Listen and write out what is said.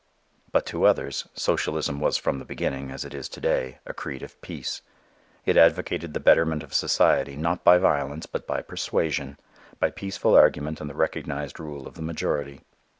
But to others, socialism was from the beginning, as it is to day, a creed of peace. It advocated the betterment of society not by violence but by persuasion, by peaceful argument and the recognized rule of the majority.